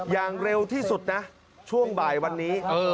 อย่างเร็วที่สุดนะช่วงบ่ายวันนี้